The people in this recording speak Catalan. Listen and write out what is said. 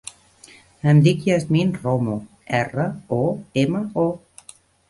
Em dic Yasmine Romo: erra, o, ema, o.